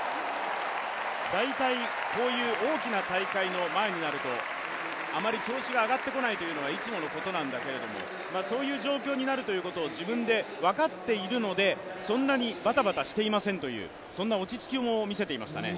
こういう大きな大会の前になるとあまり調子が上がってこないというのはいつものことなんだけれどもそういう状況になるということを自分で分かっているのでそんなにバタバタしていませんという落ち着きも見せていましたね。